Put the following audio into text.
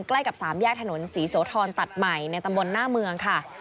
ใกล้กับสามแยกถนนศรีโสธรตัดใหม่ในตำบลหน้าเมืองค่ะ